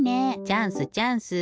チャンスチャンス！